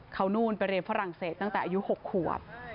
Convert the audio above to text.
เขานู่นไปเรียนฝรั่งเศสตั้งแต่อายุ๖ขวบ